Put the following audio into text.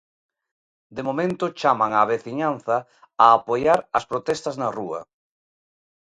De momento chaman á veciñanza a apoiar as protestas na rúa.